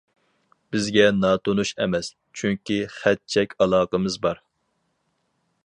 « بىزگە ناتونۇش ئەمەس، چۈنكى خەت- چەك ئالاقىمىز بار».